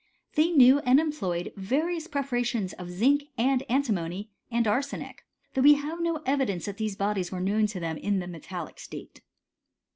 They knew and employed various pre parations of zinc, and antimony, and arsenic ; though we have no evidence that these bodies were known to them in the metallic state.